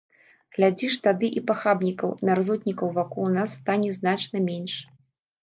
Глядзіш, тады і пахабнікаў, мярзотнікаў вакол нас стане значна менш.